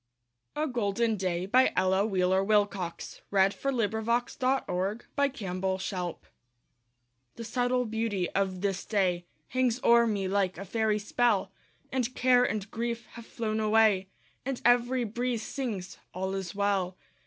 A Golden Day An Ella Wheeler Wilcox Poem A GOLDEN DAY The subtle beauty of this day Hangs o'er me like a fairy spell, And care and grief have flown away, And every breeze sings, "All is well."